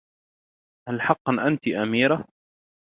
هل حقا أنت أميرة ؟